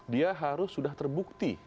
dia harus sudah terbukti